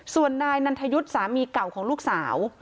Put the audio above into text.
ส่วนนายนันทยุทธ์สามีเก่าของลูกสาว